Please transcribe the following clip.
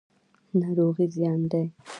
ناروغي زیان دی.